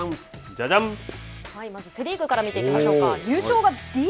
まずセ・リーグから見ていきましょうか。